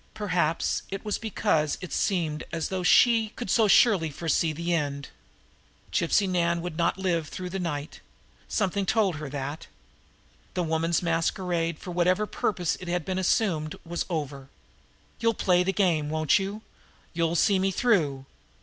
Perhaps it was because it seemed as though she could so surely foresee the end. Gypsy Nan would not live through the night. Something told her that. The woman's masquerade, for whatever purpose it had been assumed, was over. "You'll play the game, won't you? You'll see me through?"